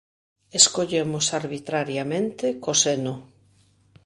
Escollemos arbitrariamente "coseno".